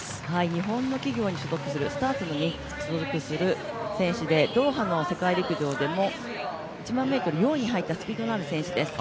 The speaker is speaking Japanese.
日本のスターツに所属する選手で、ドーハの世界陸上でも、１００００ｍ４位に入った、スピードのある選手です。